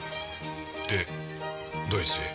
でドイツへ？